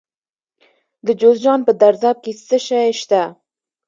د جوزجان په درزاب کې څه شی شته؟